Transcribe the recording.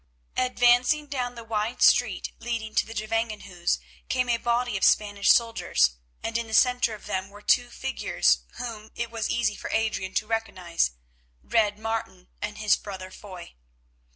Advancing down the wide street leading to the Gevangenhuis came a body of Spanish soldiers, and in the centre of them were two figures whom it was easy for Adrian to recognise—Red Martin and his brother Foy.